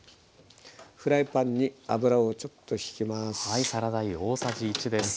フライパンに油をちょっとひきます。